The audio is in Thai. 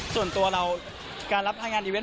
ส่วนตัวเราการรับทางงานอีเวนต